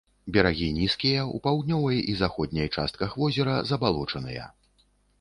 Берагі нізкія, у паўднёвай і заходняй частках возера забалочаныя.